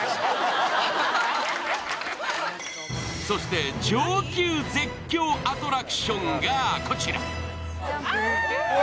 そして上級絶叫アトラクションがこちら。